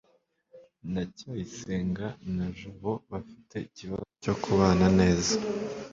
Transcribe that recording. ndacyayisenga na jabo bafite ikibazo cyo kubana neza